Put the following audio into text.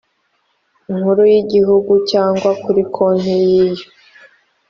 nkuru y igihugu cyangwa kuri konti y iyo